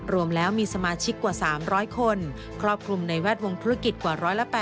รวมแล้วมีสมาชิกกว่า๓๐๐คนครอบคลุมในแวดวงธุรกิจกว่า๑๘๐